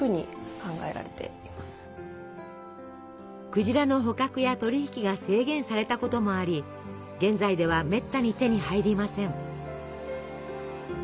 クジラの捕獲や取り引きが制限されたこともあり現在ではめったに手に入りません。